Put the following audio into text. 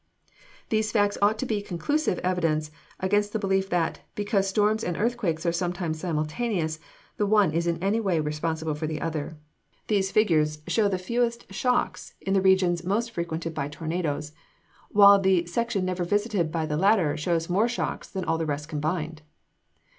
These facts ought to be conclusive evidence against the belief that, because storms and earthquakes are sometimes simultaneous, the one is in any way responsible for the other. These figures show the fewest shocks in the region [Illustration: WRECK OF FACTORY, CHARLESTON.] most frequented by tornadoes; while the section never visited by the latter shows more shocks than all the rest combined.